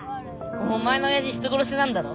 お前の親父人殺しなんだろ？